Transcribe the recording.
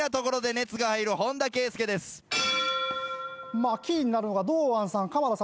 まあ気になるのが堂安さん鎌田さん